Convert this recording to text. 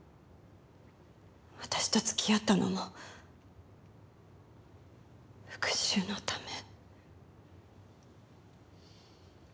私と付き合ったのも復讐のため？